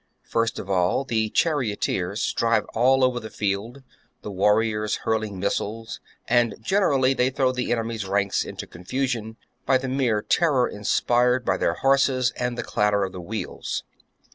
First of all the charioteers drive all over charioteers. the field, the warriors hurling missiles ; and gener ally they throw the enemy's ranks into confusion by the mere terror inspired by their horses and the clatter of the wheels.